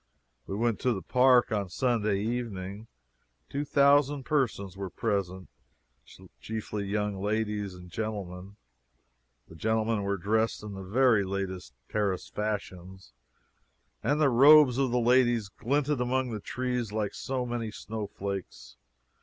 We went to the park on Sunday evening. Two thousand persons were present, chiefly young ladies and gentlemen. The gentlemen were dressed in the very latest Paris fashions, and the robes of the ladies glinted among the trees like so many snowflakes.